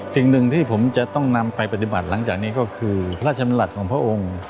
สิ่งหนึ่งที่ผมจะต้องนำไปปฏิบัติหลังจากนี้ก็คือพระราชมรัฐของพระองค์